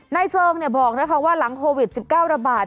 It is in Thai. นายเซิงเนี่ยบอกนะคะว่าหลังโควิด๑๙ระบาด